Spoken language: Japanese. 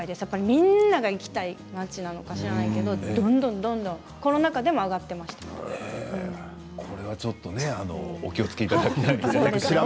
みんなが行きたい街なのか知らないけれどもどんどんコロナ禍でもそれはお気をつけいただきたいと。